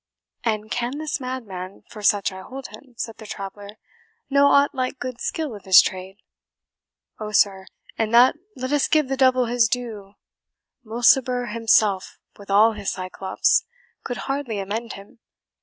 "And can this madman, for such I hold him," said the traveller, "know aught like good skill of his trade?" "Oh, sir, in that let us give the devil his due Mulciber himself, with all his Cyclops, could hardly amend him.